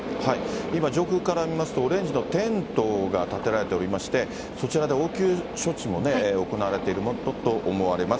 今上空から見ますと、オレンジのテントが立てられておりまして、そちらで応急処置も行われているものと思われます。